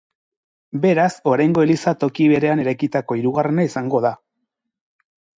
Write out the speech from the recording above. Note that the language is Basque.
Beraz oraingo eliza toki berean eraikitako hirugarrena izango da.